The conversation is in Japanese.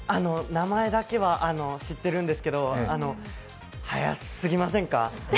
名前だけは知ってるんですけど早すぎませんか。